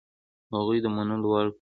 هغوی د منلو وړ پرېکړه ونه کړه.